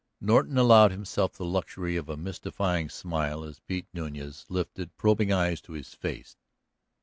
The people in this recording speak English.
Norton allowed himself the luxury of a mystifying smile as Pete Nuñez lifted probing eyes to his face.